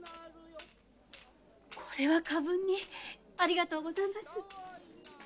これは過分にありがとうございます。